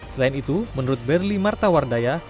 selain itu menurut berli martawardaya